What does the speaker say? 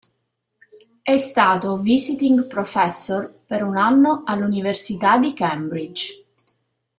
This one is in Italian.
È stato "visiting professor" per un anno all'Università di Cambridge.